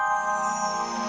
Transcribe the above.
aku sudah cukup lemah